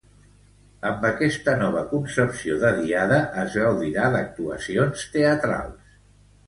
Amb aquesta nova concepció de Diada es gaudirà d'actuacions teatrals.